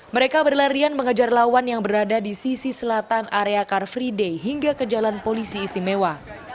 mereka berlarian mengejar lawan yang berada di sisi selatan area car free day hingga ke jalan polisi istimewa